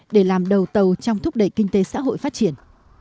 để làm đầu tàu trong thúc đẩy kinh tế xã hội phát triển